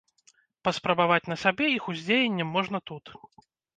Паспрабаваць на сабе іх уздзеянне можна тут.